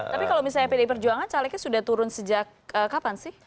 tapi kalau misalnya pdi perjuangan calegnya sudah turun sejak kapan sih